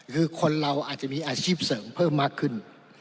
คือคนเราอาจจะมีอาชีพเสริมเพิ่มมากขึ้น